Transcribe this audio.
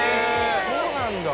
そうなんだ！